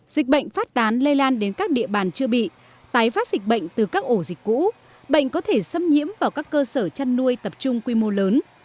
dịch bệnh phát tán lây lan đến các địa bàn chưa bị tái phát dịch bệnh từ các ổ dịch cũ bệnh có thể xâm nhiễm vào các cơ sở chăn nuôi tập trung quy mô lớn